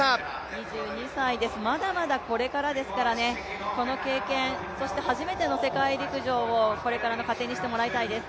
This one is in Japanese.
２２歳です、まだまだこれからですからね、この経験、そして初めての世界陸上をこれからの糧にしてもらいたいです。